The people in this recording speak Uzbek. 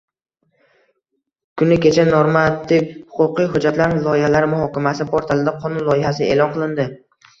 Kuni kecha Normativ-huquqiy hujjatlar loyihalari muhokamasi portalida qonun loyihasi e’lon qilindi.